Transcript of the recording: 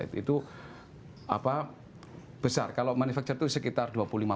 itu besar kalau manufacture itu sekitar dua puluh lima